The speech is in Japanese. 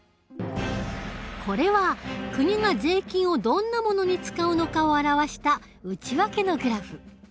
これは国が税金をどんなものに使うのかを表した内訳のグラフ。